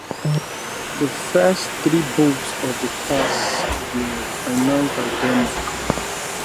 The first three boats of the class were financed by Denmark.